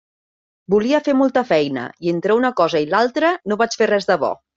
Volia fer molta feina i entre una cosa i l'altra no vaig fer res de bo.